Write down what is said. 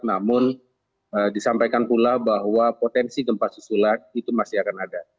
namun disampaikan pula bahwa potensi gempa susulan itu masih akan ada